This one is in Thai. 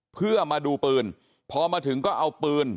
เพื่อมาดูปืนพอมาถึงก็เอาปืน